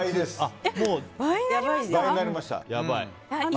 倍になりました。